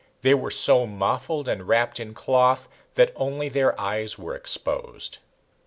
They were so muffled and wrapped in cloth that only their eyes were exposed.